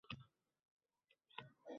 Biz hech kimning yordamisiz kuchga egamiz